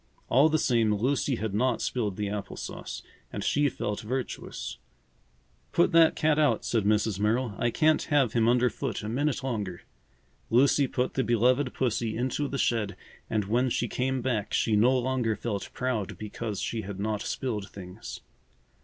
All the same, Lucy had not spilled the apple sauce, and she felt virtuous. "Put that cat out," said Mrs. Merrill. "I can't have him under foot a minute longer." Lucy put the beloved pussy into the shed and when she came back she no longer felt proud because she had not spilled things.